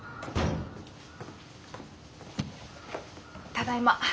ただいま。